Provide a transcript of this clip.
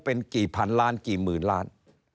เป็นกี่พันล้านกี่หมื่นล้าน